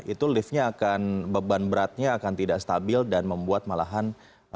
itu liftnya akan beban beratnya akan tidak stabil dan membuat malahan